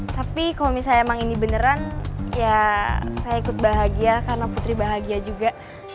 tapi kalau misalnya emang ini beneran ya saya ikut bahagia karena putri bahagia juga